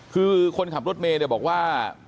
คือคนขับรถเมคันนี้บอกว่า